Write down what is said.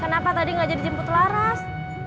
kenapa tadi nggak jadi jemput laras